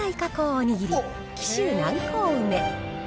おにぎり紀州南高梅。